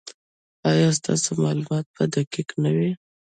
ایا ستاسو معلومات به دقیق نه وي؟